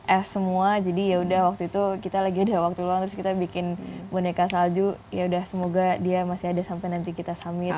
es semua jadi yaudah waktu itu kita lagi ada waktu luang terus kita bikin boneka salju yaudah semoga dia masih ada sampai nanti kita summit